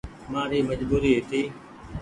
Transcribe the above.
مآري مجبوري هيتي۔